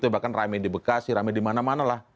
bahkan ramai di bekasi ramai di mana mana lah